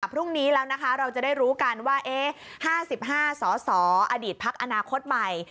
พรุ่งนี้แล้วนะคะเราจะได้รู้กันว่า๕๕สสอดีตพักอนาคตใหม่